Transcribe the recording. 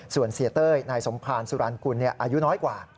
ส่วนเสียเต้ยนายสมภารสุรรณกุลอายุน้อยกว่า